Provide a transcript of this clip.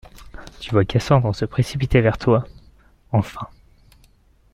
Tu vois Cassandre se précipiter vers toi, enfin.